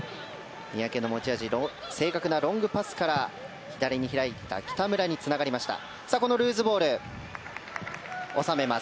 三宅の持ち味正確なロングパスから左に開いた北村につながりました。